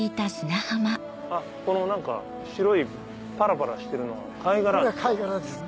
この白いパラパラしてるのは貝殻ですか？